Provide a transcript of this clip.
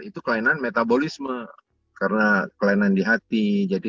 itu kelainan metabolisme karena kelainan di hati